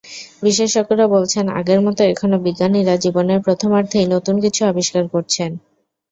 বিশেষজ্ঞরা বলছেন, আগের মতো এখনো বিজ্ঞানীরা জীবনের প্রথমার্ধেই নতুন কিছু আবিষ্কার করছেন।